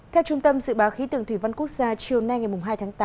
theo trung tâm dự báo khí tượng thủy văn quốc gia chiều nay ngày hai tháng tám